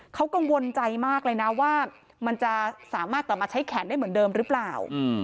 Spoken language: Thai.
เขากังวลใจมากเลยนะว่ามันจะสามารถกลับมาใช้แขนได้เหมือนเดิมหรือเปล่า